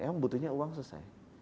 emang butuhnya uang selesai